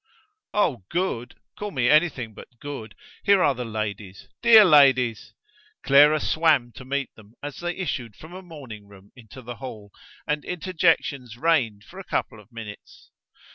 "Oh, good! Call me anything but good. Here are the ladies. Dear ladies!" Clara swam to meet them as they issued from a morning room into the hall, and interjections reigned for a couple of minutes.